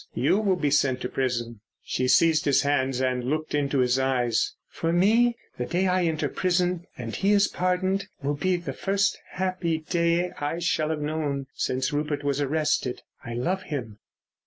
You will be sent to prison." She seized his hands and looked into his eyes. "For me, the day I enter prison and he is pardoned, will be the first happy day I shall have known since Rupert was arrested. I love him."